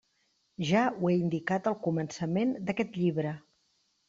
Ja ho he indicat al començament d'aquest llibre.